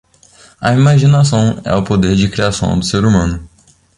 A imaginação é o poder de criação do ser humano